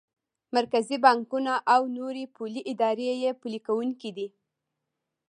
مرکزي بانکونه او نورې پولي ادارې یې پلي کوونکی دي.